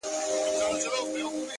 ائینه زړونه درواغ وایي چي نه مرو؛